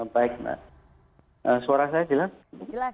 baik suara saya jelas